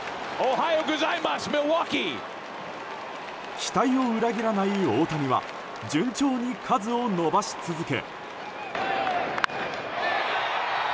期待を裏切らない大谷は順調に数を伸ばし続け。